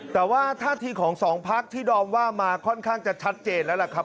แต่ว่าท่าทีของสองพักที่ดอมว่ามาค่อนข้างจะชัดเจนแล้วล่ะครับ